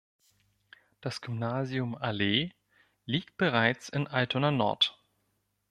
Das Gymnasium Allee liegt bereits in Altona-Nord.